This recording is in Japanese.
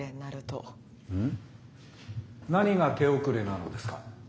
何が手遅れなのですか？